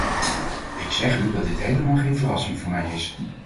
Ik zeg u dat dit helemaal geen verrassing voor mij is.